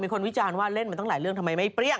คนวิจารณ์ว่าเล่นมาตั้งหลายเรื่องทำไมไม่เปรี้ยว